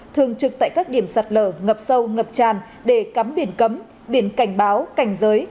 thường trực tại các điểm sạt lở ngập sâu ngập tràn để cắm biển cấm biển cảnh báo cảnh giới